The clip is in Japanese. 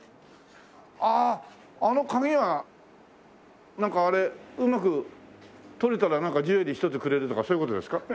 あああの鍵はなんかあれうまく取れたらなんかジュエリー１つくれるとかそういう事ですか？